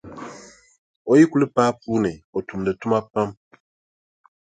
O yi kuli paai puu ni, o tumdi tuma pam.